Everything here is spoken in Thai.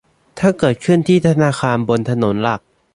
ถ้าเกิดขึ้นที่ธนาคารบนถนนหลัก